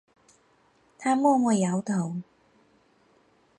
他默默摇头